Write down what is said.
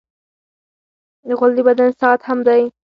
غول د بدن ساعت هم دی.